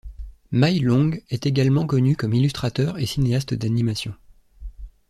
Mai Long est également connu comme illustrateur et cinéaste d'animation.